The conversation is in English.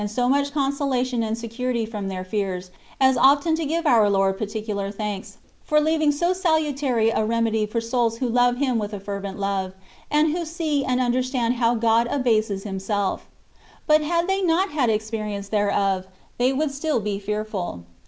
SO much consolation and security from their fears, as often to give our Lord particular thanks, for leaving so salutary a remedy for souls who love Him with a fervent love, and who see and under stand how God abases Himself; but had they not had experience thereof, they would still be fearful.